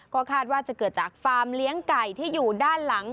ก็คาดว่าจะเกิดจากฟาร์มเลี้ยงไก่ที่อยู่ด้านหลัง